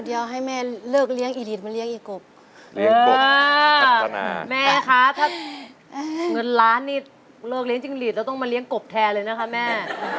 เดี๋ยวให้แม่เลิกเลี้ยงอีหลีดมาเลี้ยอีกบแม่คะถ้าเงินล้านนี่เลิกเลี้ยจิ้งหลีดแล้วต้องมาเลี้ยงกบแทนเลยนะคะแม่